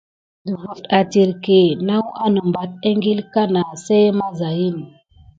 Dəfət etirke naw wanebate eŋgil kana sey mazayin.